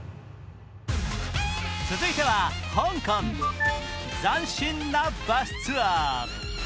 続いては香港、斬新なバスツアー